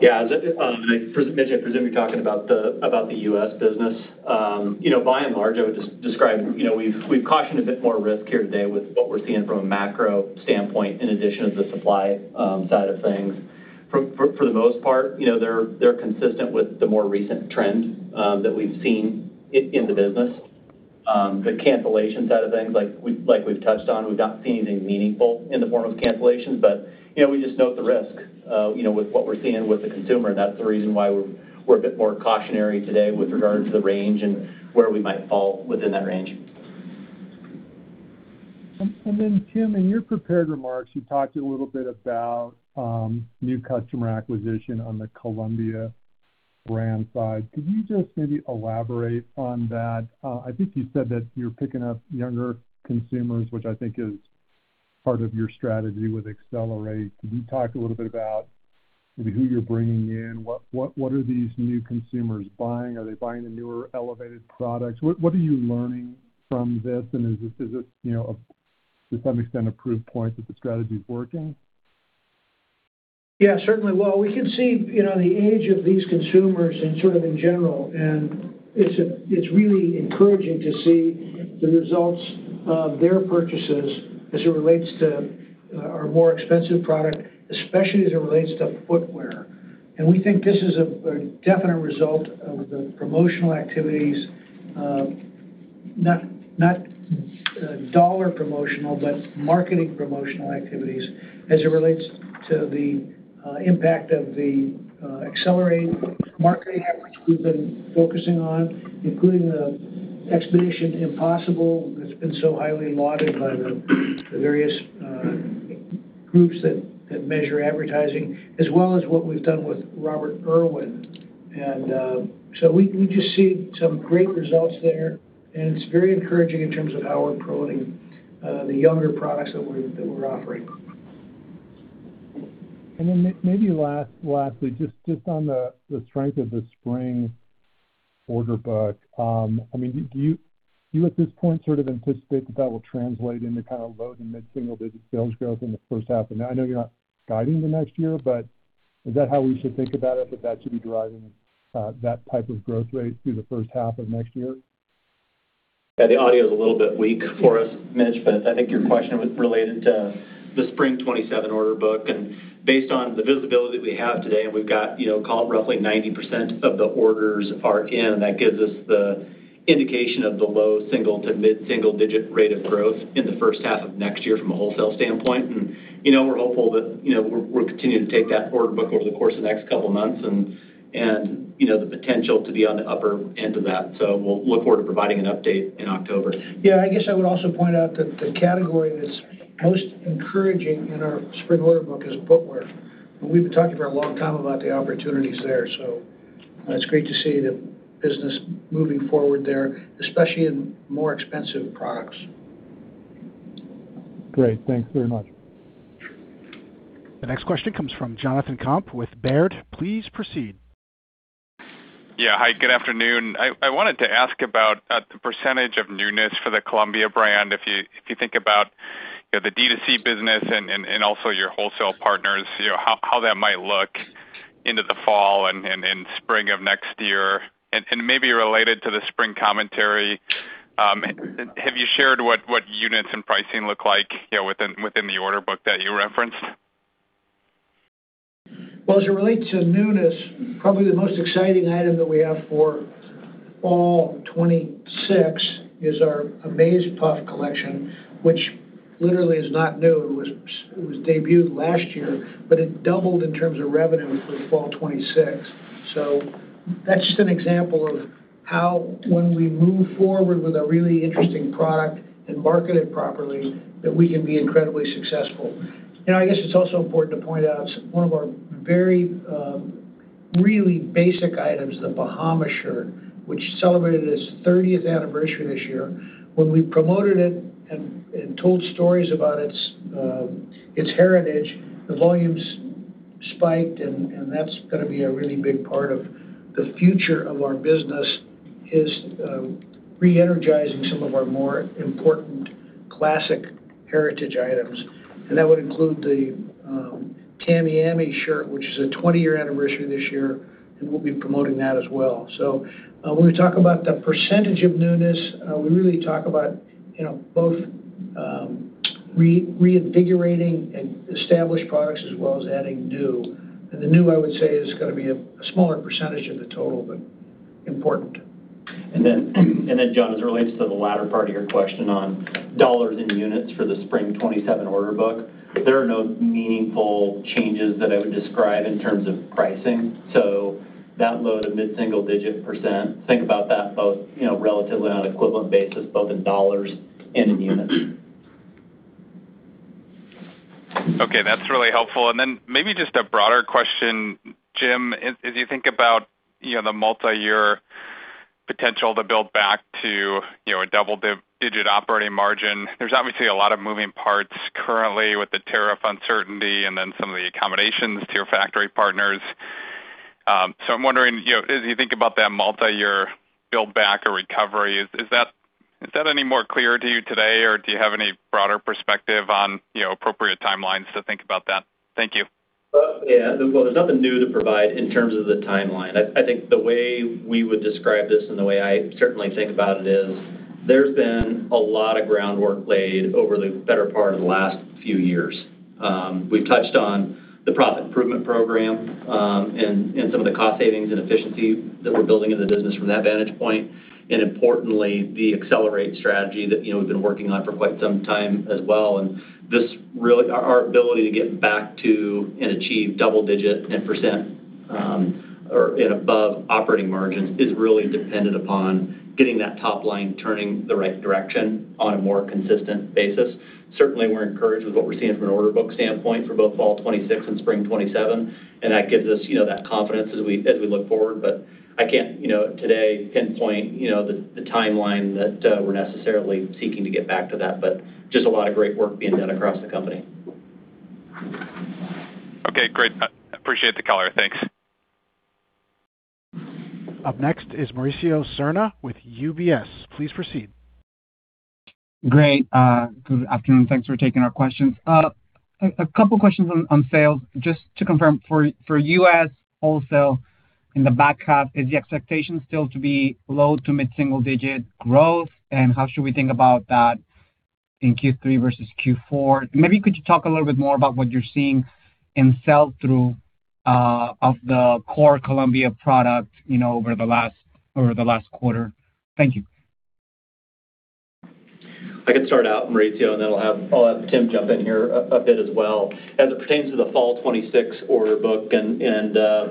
Yeah. Mitch, I presume you're talking about the U.S. business. By and large, I would just describe, we've cautioned a bit more risk here today with what we're seeing from a macro standpoint in addition to the supply side of things. For the most part, they're consistent with the more recent trend that we've seen in the business. The cancellation side of things, like we've touched on, we've not seen anything meaningful in the form of cancellations. We just note the risk with what we're seeing with the consumer, and that's the reason why we're a bit more cautionary today with regard to the range and where we might fall within that range. Tim, in your prepared remarks, you talked a little bit about new customer acquisition on the Columbia brand side. Could you just maybe elaborate on that? I think you said that you're picking up younger consumers, which I think is part of your strategy with ACCELERATE. Can you talk a little bit about maybe who you're bringing in? What are these new consumers buying? Are they buying the newer elevated products? What are you learning from this, and is this, to some extent, a proof point that the strategy's working? Yeah, certainly. Well, we can see the age of these consumers and sort of in general, it's really encouraging to see the results of their purchases as it relates to our more expensive product, especially as it relates to footwear. We think this is a definite result of the promotional activities, not dollar promotional, but marketing promotional activities as it relates to the impact of the ACCELERATE marketing efforts we've been focusing on, including the Expedition Impossible, that's been so highly lauded by the various groups that measure advertising, as well as what we've done with Robert Irwin. We just see some great results there, and it's very encouraging in terms of how we're promoting the younger products that we're offering. Maybe lastly, just on the strength of the spring order book. Do you at this point sort of anticipate that that will translate into low to mid-single digit sales growth in the first half of-- I know you're not guiding the next year, but is that how we should think about it, that that should be driving that type of growth rate through the first half of next year? Yeah, the audio's a little bit weak for us, Mitch, but I think your question was related to the spring 2027 order book. Based on the visibility that we have today, we've got roughly 90% of the orders are in, that gives us the indication of the low single to mid-single digit rate of growth in the first half of next year from a wholesale standpoint. We're hopeful that we'll continue to take that order book over the course of the next couple of months and the potential to be on the upper end of that. We'll look forward to providing an update in October. Yeah, I guess I would also point out that the category that's most encouraging in our spring order book is footwear. We've been talking for a long time about the opportunities there. It's great to see the business moving forward there, especially in more expensive products. Great. Thanks very much. The next question comes from Jonathan Komp with Baird. Please proceed. Yeah. Hi, good afternoon. I wanted to ask about the percentage of newness for the Columbia brand. If you think about the DTC business and also your wholesale partners, how that might look into the fall and spring of next year. Maybe related to the spring commentary, have you shared what units and pricing look like within the order book that you referenced? Well, as it relates to newness, probably the most exciting item that we have for fall 2026 is our Amaze Puff collection, which literally is not new. It was debuted last year, but it doubled in terms of revenue for fall 2026. That's just an example of how when we move forward with a really interesting product and market it properly, that we can be incredibly successful. I guess it's also important to point out one of our very really basic items, the Bahama shirt, which celebrated its 30th anniversary this year. When we promoted it and told stories about its heritage, the volumes spiked, and that's going to be a really big part of the future of our business is re-energizing some of our more important classic heritage items. That would include the Tamiami shirt, which is a 20-year anniversary this year, and we'll be promoting that as well. When we talk about the percentage of newness, we really talk about both reinvigorating established products as well as adding new. The new, I would say, is going to be a smaller percentage of the total, but important. Jon, as it relates to the latter part of your question on dollars in units for the spring 2027 order book, there are no meaningful changes that I would describe in terms of pricing. That low to mid-single digit percent, think about that both relatively on an equivalent basis, both in dollars and in units. Okay, that's really helpful. Maybe just a broader question, Jim, as you think about the multi-year potential to build back to a double-digit operating margin. There's obviously a lot of moving parts currently with the tariff uncertainty and some of the accommodations to your factory partners. I'm wondering, as you think about that multi-year build back or recovery, is that any more clear to you today, or do you have any broader perspective on appropriate timelines to think about that? Thank you. There's nothing new to provide in terms of the timeline. I think the way we would describe this and the way I certainly think about it is there's been a lot of groundwork laid over the better part of the last few years. We've touched on the profit improvement program and some of the cost savings and efficiency that we're building in the business from that vantage point, importantly, the ACCELERATE strategy that we've been working on for quite some time as well. Our ability to get back to and achieve double digit and percent or in above operating margins is really dependent upon getting that top line turning the right direction on a more consistent basis. Certainly, we're encouraged with what we're seeing from an order book standpoint for both fall 2026 and spring 2027, that gives us that confidence as we look forward. I can't today pinpoint the timeline that we're necessarily seeking to get back to that. Just a lot of great work being done across the company. Okay, great. Appreciate the color. Thanks. Up next is Mauricio Serna with UBS. Please proceed. Great. Good afternoon. Thanks for taking our questions. A couple questions on sales. Just to confirm, for U.S. wholesale in the back half, is the expectation still to be low to mid-single digit growth? How should we think about that in Q3 versus Q4? Maybe could you talk a little bit more about what you're seeing in sell-through of the core Columbia product over the last quarter? Thank you. I can start out, Mauricio, then I'll have Tim jump in here a bit as well. As it pertains to the fall 2026 order book and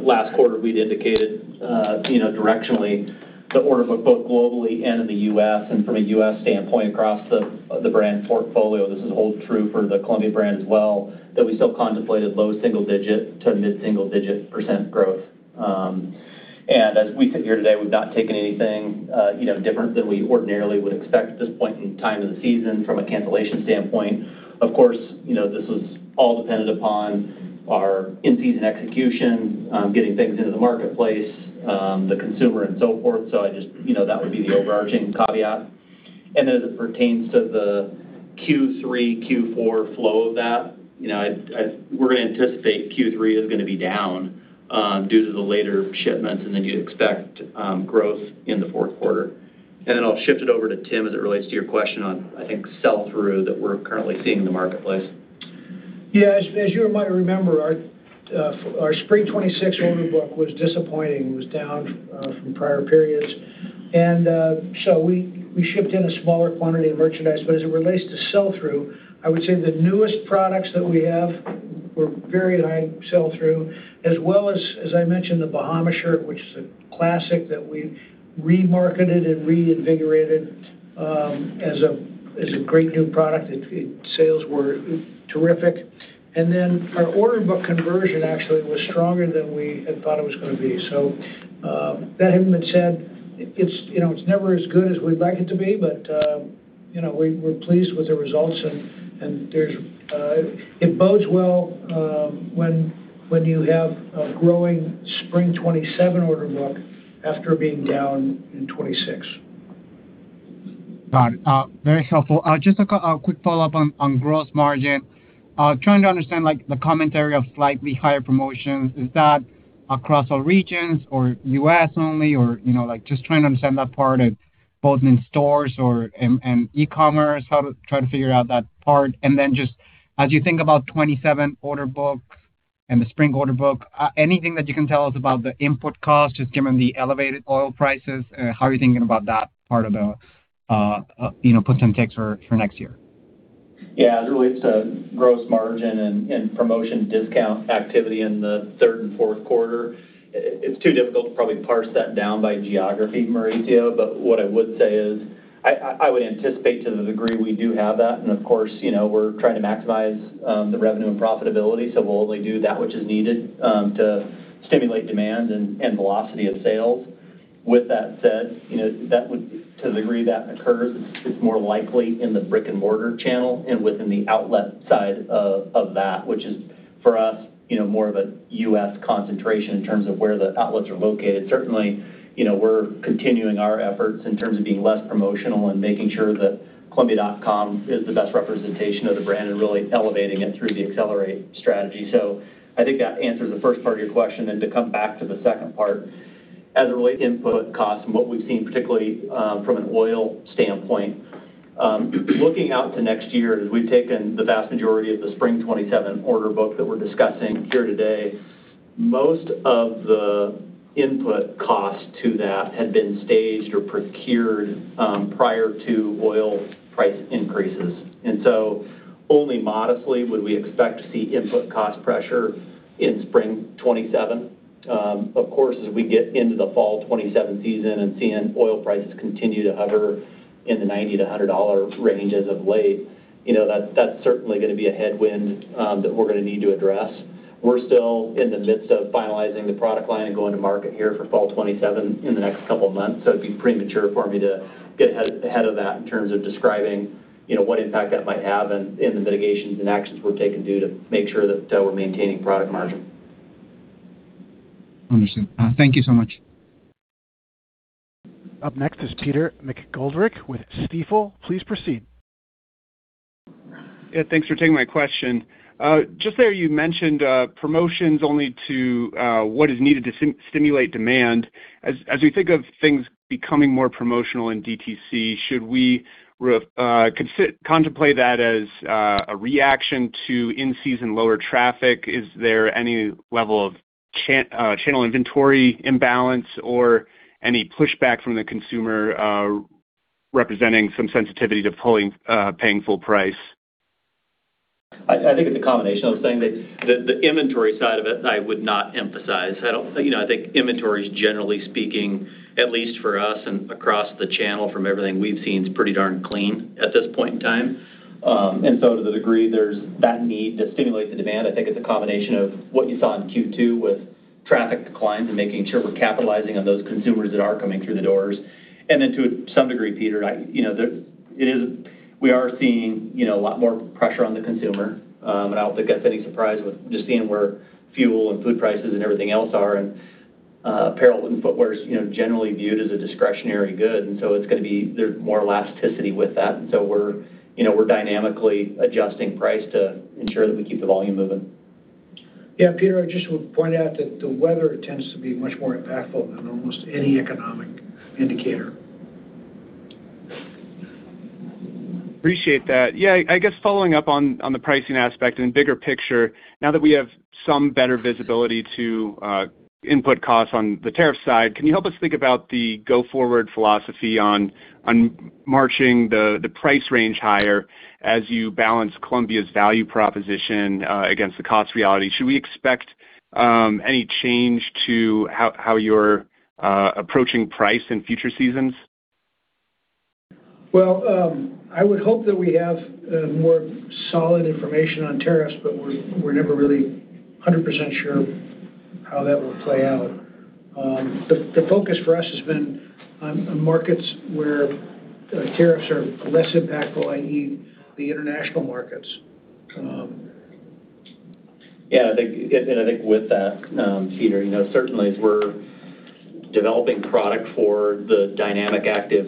last quarter, we'd indicated directionally the order book both globally and in the U.S. and from a U.S. standpoint across the brand portfolio, this holds true for the Columbia brand as well, that we still contemplated low single digit to mid-single digit percent growth. As we sit here today, we've not taken anything different than we ordinarily would expect at this point in time of the season from a cancellation standpoint. Of course, this is all dependent upon our in-season execution, getting things into the marketplace, the consumer, and so forth. That would be the overarching caveat. As it pertains to the Q3, Q4 flow of that, we're going to anticipate Q3 is going to be down due to the later shipments, you'd expect growth in the fourth quarter. I'll shift it over to Tim as it relates to your question on, I think, sell-through that we're currently seeing in the marketplace. Yeah. As you might remember, our spring 2026 order book was disappointing. It was down from prior periods. We shipped in a smaller quantity of merchandise. As it relates to sell-through, I would say the newest products that we have were very high sell-through, as well as I mentioned, the Bahama shirt, which is a classic that we remarketed and reinvigorated as a great new product. Its sales were terrific. Our order book conversion actually was stronger than we had thought it was going to be. That having been said, it's never as good as we'd like it to be, but we're pleased with the results, and it bodes well when you have a growing spring 2027 order book after being down in 2026. Got it. Very helpful. Just a quick follow-up on gross margin. Trying to understand the commentary of slightly higher promotions. Is that across all regions or U.S. only? Just trying to understand that part of both in stores and e-commerce, how to try to figure out that part. Just as you think about 2027 order books and the spring order book, anything that you can tell us about the input cost, just given the elevated oil prices? How are you thinking about that part of the puts and takes for next year? Yeah. As it relates to gross margin and promotion discount activity in the third and fourth quarter, it's too difficult to probably parse that down by geography, Mauricio, what I would say is I would anticipate to the degree we do have that, and of course, we're trying to maximize the revenue and profitability, so we'll only do that which is needed to stimulate demand and velocity of sales. With that said, to the degree that occurs, it's more likely in the brick-and-mortar channel and within the outlet side of that, which is for us more of a U.S. concentration in terms of where the outlets are located. Certainly, we're continuing our efforts in terms of being less promotional and making sure that columbia.com is the best representation of the brand and really elevating it through the ACCELERATE strategy. I think that answers the first part of your question. To come back to the second part, as it relates to input costs and what we've seen, particularly from an oil standpoint, looking out to next year, as we've taken the vast majority of the spring 2027 order book that we're discussing here today, most of the input cost to that had been staged or procured prior to oil price increases. Only modestly would we expect to see input cost pressure in spring 2027. Of course, as we get into the fall 2027 season and seeing oil prices continue to hover in the $90-$100 range as of late, that's certainly going to be a headwind that we're going to need to address. We're still in the midst of finalizing the product line and going to market here for fall 2027 in the next couple of months, so it'd be premature for me to get ahead of that in terms of describing what impact that might have and the mitigations and actions we're taking due to make sure that we're maintaining product margin. Understood. Thank you so much. Up next is Peter McGoldrick with Stifel. Please proceed. Yeah, thanks for taking my question. Just there you mentioned promotions only to what is needed to stimulate demand. As we think of things becoming more promotional in DTC, should we contemplate that as a reaction to in-season lower traffic? Is there any level of channel inventory imbalance or any pushback from the consumer representing some sensitivity to paying full price? I think it's a combination of things. The inventory side of it, I would not emphasize. I think inventory is, generally speaking, at least for us and across the channel from everything we've seen, is pretty darn clean at this point in time. To the degree there's that need to stimulate the demand, I think it's a combination of what you saw in Q2 with traffic declines and making sure we're capitalizing on those consumers that are coming through the doors. To some degree, Peter, we are seeing a lot more pressure on the consumer. I don't think that's any surprise with just seeing where fuel and food prices and everything else are, and apparel and footwear is generally viewed as a discretionary good. There's more elasticity with that. We're dynamically adjusting price to ensure that we keep the volume moving. Yeah, Peter, I just would point out that the weather tends to be much more impactful than almost any economic indicator. Appreciate that. Yeah, I guess following up on the pricing aspect and bigger picture, now that we have some better visibility to input costs on the tariff side, can you help us think about the go-forward philosophy on marching the price range higher as you balance Columbia's value proposition against the cost reality? Should we expect any change to how you're approaching price in future seasons? Well, I would hope that we have more solid information on tariffs, but we're never really 100% sure how that will play out. The focus for us has been on markets where tariffs are less impactful, i.e., the international markets. Yeah, I think with that, Peter, certainly as we're developing product for the dynamic, active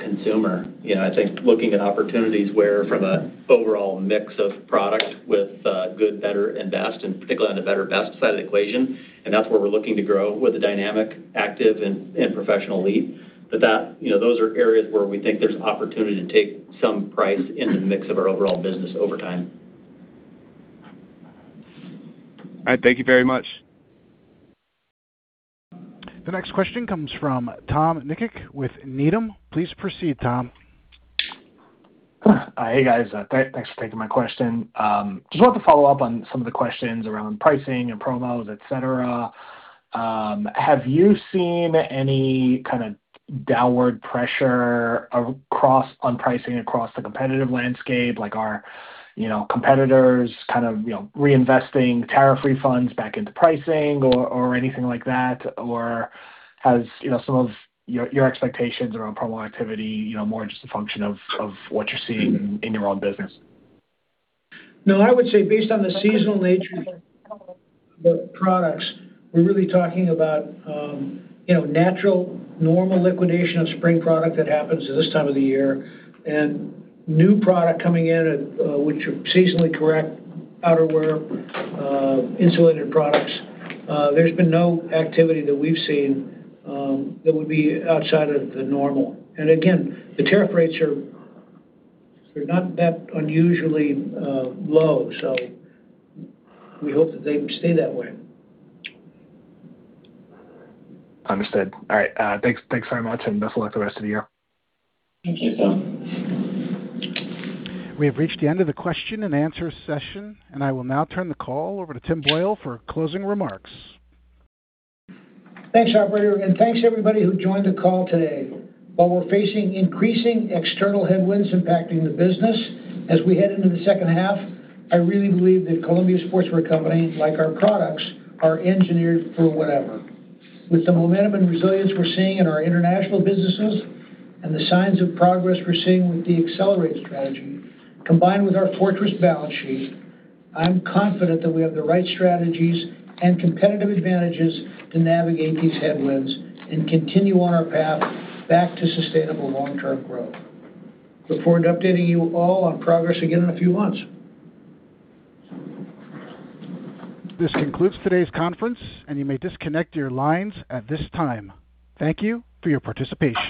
consumer. I think looking at opportunities where from an overall mix of product with good, better, and best, and particularly on the better/best side of the equation, and that's where we're looking to grow with the dynamic, active, and professional elite. Those are areas where we think there's opportunity to take some price in the mix of our overall business over time. All right. Thank you very much. The next question comes from Tom Nikic with Needham. Please proceed, Tom. Hey, guys. Thanks for taking my question. Just wanted to follow up on some of the questions around pricing and promos, et cetera. Have you seen any kind of downward pressure on pricing across the competitive landscape? Like are competitors kind of reinvesting tariff refunds back into pricing or anything like that? Or has some of your expectations around promo activity more just a function of what you're seeing in your own business? No, I would say based on the seasonal nature of products, we're really talking about natural, normal liquidation of spring product that happens at this time of the year and new product coming in at which are seasonally correct outerwear, insulated products. There's been no activity that we've seen that would be outside of the normal. Again, the tariff rates are not that unusually low. We hope that they stay that way. Understood. All right. Thanks very much. Best of luck the rest of the year. Thank you, Tom. We have reached the end of the question-and-answer session. I will now turn the call over to Tim Boyle for closing remarks. Thanks, operator, thanks everybody who joined the call today. While we're facing increasing external headwinds impacting the business, as we head into the second half, I really believe that Columbia Sportswear Company, like our products, are Engineered for Whatever. With the momentum and resilience we're seeing in our international businesses and the signs of progress we're seeing with the ACCELERATE strategy, combined with our fortress balance sheet, I'm confident that we have the right strategies and competitive advantages to navigate these headwinds and continue on our path back to sustainable long-term growth. Look forward to updating you all on progress again in a few months. This concludes today's conference. You may disconnect your lines at this time. Thank you for your participation.